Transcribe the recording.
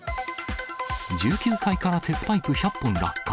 １９階から鉄パイプ１００本落下。